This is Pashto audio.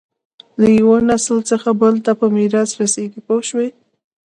له یوه نسل څخه بل ته په میراث رسېږي پوه شوې!.